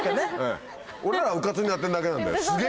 俺らはうかつにやってるだけなんだよ。すげ！